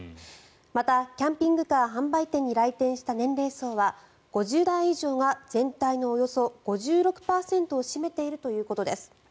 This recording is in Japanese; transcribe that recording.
またキャンピングカー販売店に来店した年齢層は５０代以上が全体のおよそ５６％を占めているということです。